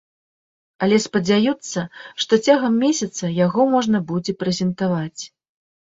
Але спадзяюцца, што цягам месяца яго можна будзе прэзентаваць.